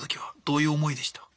どういう思いでした？